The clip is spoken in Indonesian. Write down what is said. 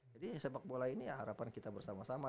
jadi sepak bola ini harapan kita bersama sama